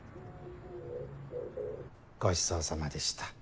ごちそうさまでした。